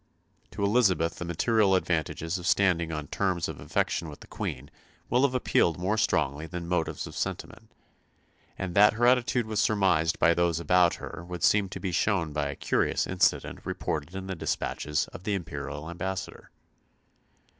To Elizabeth the material advantages of standing on terms of affection with the Queen will have appealed more strongly than motives of sentiment; and that her attitude was surmised by those about her would seem to be shown by a curious incident reported in the despatches of the imperial ambassador.